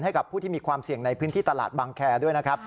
ให้กับผู้ที่มีความเสี่ยงในพื้นที่ตลาดบางแคร์ด้วยนะครับ